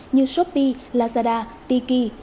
như shopee lazada tiki